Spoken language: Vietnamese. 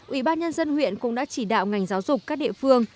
ủy ban nhân dân huyện cũng đã chỉ đạo ngành giáo dục các địa phương